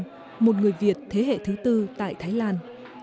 hùng vương một người việt thế hệ thứ tư tại thái lan